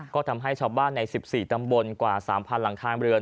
ก็ทำให้ชาวบ้านใน๑๔ตำบลกว่า๓๐๐หลังคาเรือน